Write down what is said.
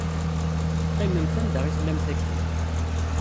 Qqimemt anda i tellamt akken.